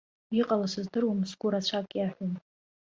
Иҟала сыздыруам, сгәы рацәак иаҳәом.